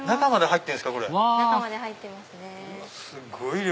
すごい量！